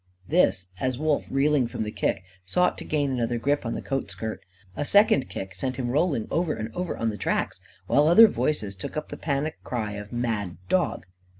This, as Wolf, reeling from the kick, sought to gain another grip on the coat skirt. A second kick sent him rolling over and over on the tracks, while other voices took up the panic cry of "Mad dog!"